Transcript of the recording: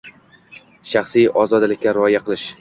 Shaxsiy ozodalikka rioya qilish.